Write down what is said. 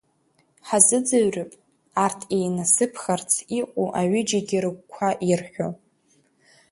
Ҳазыӡырҩып арҭ еинасыԥхарц иҟоу аҩыџьагьы рыгәқәа ирҳәо…